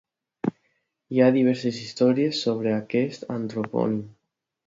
Hi ha diverses històries sobre aquest antropònim.